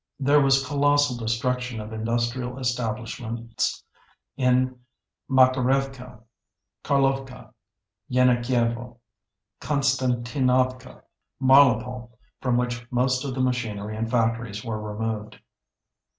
There was colossal destruction of industrial establishments in Makerevka, Carlovka, Yenakievo, Konstantinovka, Mariupol, from which most of the machinery and factories were removed.